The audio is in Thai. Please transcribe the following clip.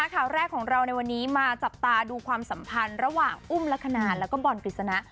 ข่าวแรกของเราในวันนี้มาจับตาดูความสัมพันธ์ระหว่างอุ้มลักษณะแล้วก็บอลกฤษณะ